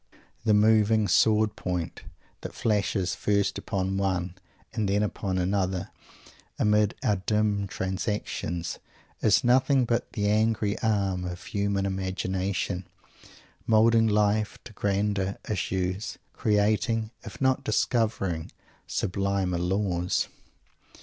The moving sword point that flashes, first upon one and then upon another, amid our dim transactions, is nothing but the angry arm of human imagination, moulding life to grander issues; creating, if not discovering, sublimer laws.